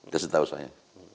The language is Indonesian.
kasih tau saya